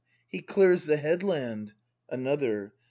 He clears the headland ! Another.